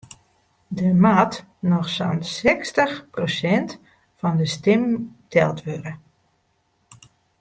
Der moat noch sa'n sechstich prosint fan de stimmen teld wurde.